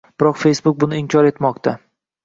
Biroq Facebook buni inkor etmoqda